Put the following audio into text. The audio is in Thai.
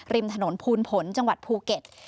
ริมถนนภูนผลจังหวัดภูเก็ต